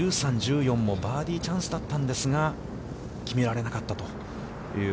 １３、１４もバーディーチャンスだったんですが、決められなかったという、